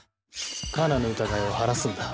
カナの疑いを晴らすんだ。